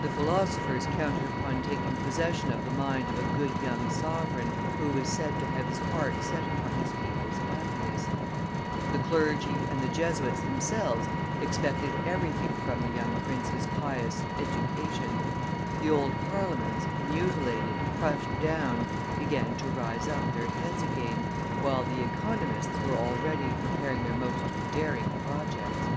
The philosophers counted upon taking possession of the mind of a good young sovereign, who was said to have his heart set upon his people's happiness; the clergy and the Jesuits themselves expected everything from the young prince's pious education; the old parliaments, mutilated, crushed down, began to raise up their heads again, while the economists were already preparing their most daring projects.